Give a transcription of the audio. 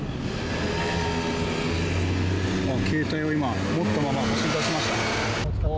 携帯を持ったまま走り出しました。